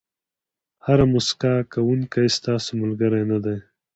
هر موسکا کوونکی ستاسو ملګری نه دی.